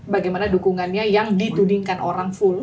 bagaimana dukungannya yang ditudingkan orang full